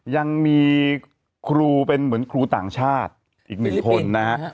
ยังมีครูเป็นเหมือนครูต่างชาติอีกหนึ่งคนนะฮะ